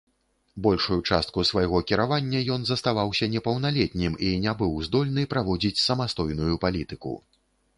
Большую частку свайго кіравання ён заставаўся непаўналетнім і не быў здольны праводзіць самастойную палітыку.